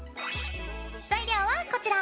材料はこちら！